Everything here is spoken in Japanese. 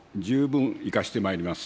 十分生かしてまいります。